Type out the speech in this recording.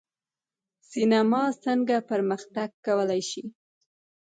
سینما څنګه پرمختګ کولی شي؟